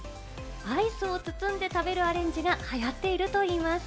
アイスを包んで食べるアレンジが流行っているといいます。